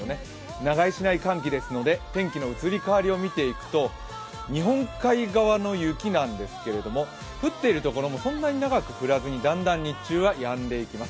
長居しない寒気ですので、天気の移り変わりを見ていくと日本海側の雪なんですけれども、降っているところもそんなに長く降らずにだんだん日中はやんでいきます。